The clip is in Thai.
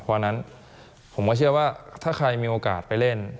เพราะฉะนั้นผมก็เชื่อว่าถ้าใครมีโอกาสไปเล่น